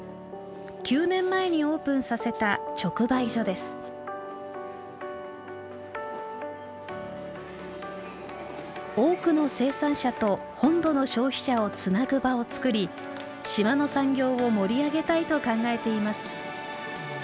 ９年前に多くの生産者と本土の消費者をつなぐ場をつくり島の産業を盛り上げたいと考えています。